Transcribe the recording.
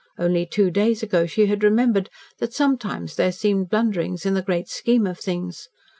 Only two days ago she had remembered that sometimes there seemed blunderings in the great Scheme of things.